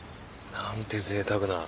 何てぜいたくな。